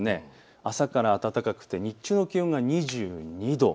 朝から暖かくて日中の気温が２２度。